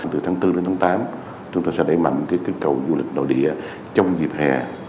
từ tháng bốn đến tháng tám chúng tôi sẽ đẩy mạnh kết cầu du lịch nội địa trong dịp hè